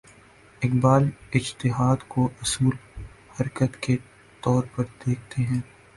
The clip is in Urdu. اقبال اجتہاد کو اصول حرکت کے طور پر دیکھتے ہیں۔